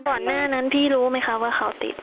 ก่อนหน้านั้นพี่รู้ไหมคะว่าเขาติด